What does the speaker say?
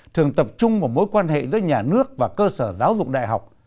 thường tập trung vào mối quan hệ giữa nhà nước và cơ sở giáo dục đại học